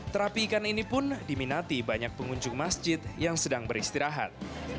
terapi ikan ini pun diminati banyak pengunjung masjid yang sedang beristirahat